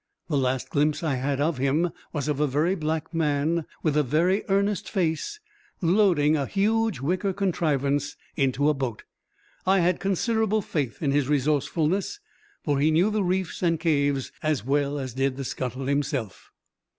The last glimpse I had of him was of a very black man with a very earnest face, loading a huge wicker contrivance into a boat. I had considerable faith in his resourcefulness, for he knew the reefs and caves as well as did the scuttle himself.